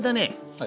はい。